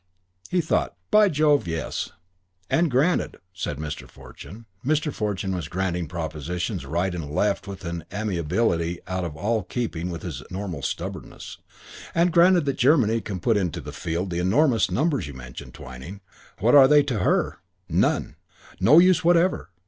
He thought, "By Jove, yes." "And granted," said Mr. Fortune Mr. Fortune was granting propositions right and left with an amiability out of all keeping with his normal stubbornness "and granted that Germany can put into the field the enormous numbers you mention, Twyning, what use are they to her? None. No use whatever.